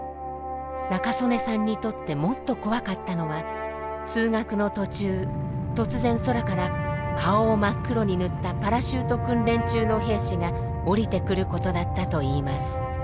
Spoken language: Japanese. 仲宗根さんにとってもっと怖かったのは通学の途中突然空から顔を真っ黒に塗ったパラシュート訓練中の兵士が降りてくることだったといいます。